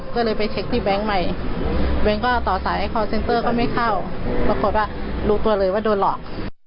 ก็เลยไปเช็คที่แบงค์ใหม่แบงค์ก็ต่อสายคอร์เซ็นเตอร์ก็ไม่เข้าปรากฏว่ารู้ตัวเลยว่าโดนหลอก